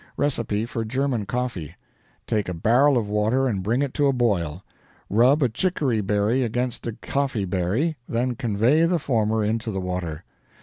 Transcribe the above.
RECIPE FOR GERMAN COFFEE Take a barrel of water and bring it to a boil; rub a chicory berry against a coffee berry, then convey the former into the water.